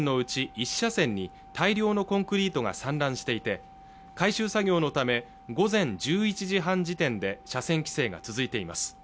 １車線に大量のコンクリートが散乱していて回収作業のため午前１１時半時点で車線規制が続いています